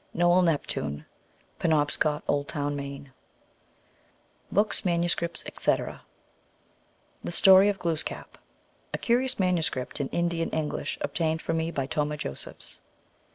Noel Neptune, Penobscot, Oldtown, Maine. BOOKS, MANUSCRIPTS, ETC. The Story of Glooskap. A curious manuscript in Indian Eng lish, obtained for me by Tomah Josephs.